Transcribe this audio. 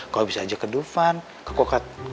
kamu bisa ajak ke dufan ke kokot